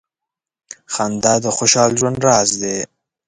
• خندا د خوشال ژوند راز دی.